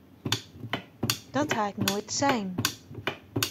Dat ha ik noait sein!